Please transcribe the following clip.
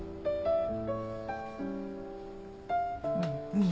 うん。